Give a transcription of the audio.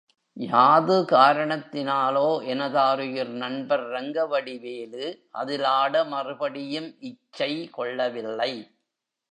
யாது காரணத்தினாலோ எனதாருயிர் நண்பர் ரங்கவடிவேலு அதில் ஆட மறுபடியும் இச்சை கொள்ளவில்லை.